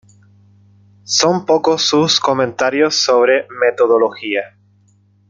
Son pocos sus comentarios sobre metodología.